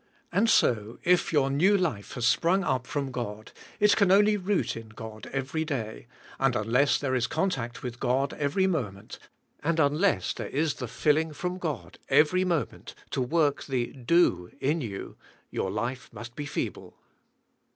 And so, if your new life has sprung" up from God, it can only root in God every day, and unless there is con tact with God every moment, and unless there is the filling" from God every moment, to work the do in you, your life must be feeble.